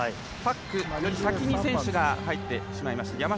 パックより先に選手が入ってしまいました。